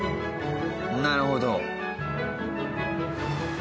なるほど。